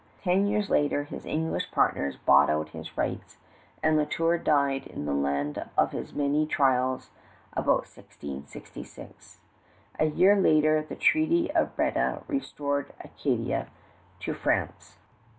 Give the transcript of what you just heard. Ten years later his English partners bought out his rights, and La Tour died in the land of his many trials about 1666. A year later the Treaty of Breda restored Acadia to France.